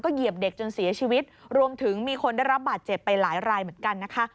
เหยียบเด็กจนเสียชีวิตรวมถึงมีคนได้รับบาดเจ็บไปหลายรายเหมือนกันนะคะ